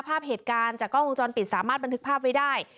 ภาพเหตุการณ์จากกล้องวงจรปิดสามารถบันทึกภาพไว้ได้